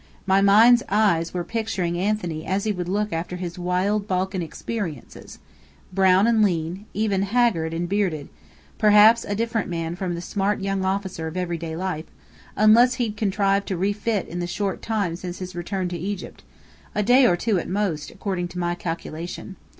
My mind's eyes were picturing Anthony as he would look after his wild Balkan experiences: brown and lean, even haggard and bearded, perhaps, a different man from the smart young officer of everyday life, unless he'd contrived to refit in the short time since his return to Egypt a day or two at most, according to my calculation.